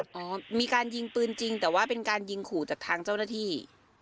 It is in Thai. อ๋อมีการยิงปืนจริงแต่ว่าเป็นการยิงขู่จากทางเจ้าหน้าที่